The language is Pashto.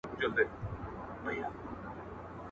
• د نارينه خبره يوه وي.